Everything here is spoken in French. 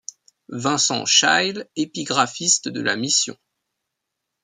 Vincent Scheil, épigraphiste de la Mission.